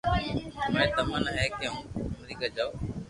ماري تمنا ھي ڪي ھون امرڪا جاو